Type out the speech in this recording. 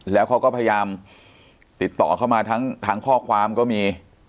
แล้วเขาก็พยายามติดต่อเข้ามาทั้งข้อความก็มี